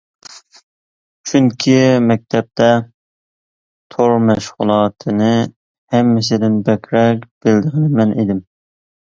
چۈنكى مەكتەپتە تور مەشغۇلاتىنى ھەممىسىدىن بەكرەك بىلىدىغىنى مەن ئىدىم.